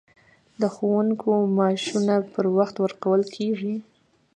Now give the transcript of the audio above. د ښوونکو معاشونه پر وخت ورکول کیږي؟